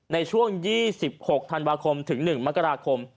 ในช่วง๒๖ธันวาคมถึง๑มกราคม